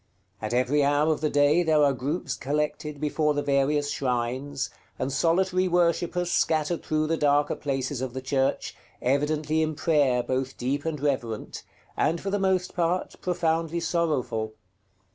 At every hour of the day there are groups collected before the various shrines, and solitary worshippers scattered through the darker places of the church, evidently in prayer both deep and reverent, and, for the most part, profoundly sorrowful.